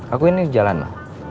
aku ini jalan ma